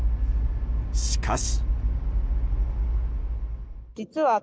しかし。